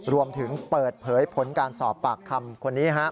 รวมถึงเปิดเผยผลการสอบปากคำคนนี้